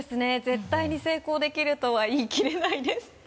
絶対に成功できるとは言い切れないです